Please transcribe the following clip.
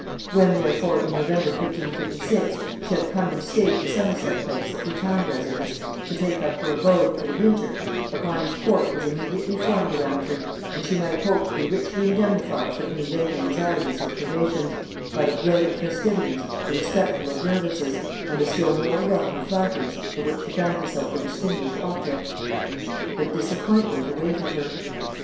When therefore in November 1556 she had come in state to Somerset Place, her town residence, to take up her abode for the winter, a kind of court was immediately formed around her; and she might hope to be richly indemnified for any late anxieties or privations, by the brilliant festivities, the respectful observances, and the still more welcome flatteries, of which she found herself the distinguished object: But disappointment awaited her.